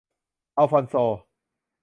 อัลฟอนโซ